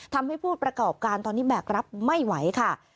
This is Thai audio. ทำให้ผู้ประกอบการตอนนี้แบกรับไม่ไหวค่ะ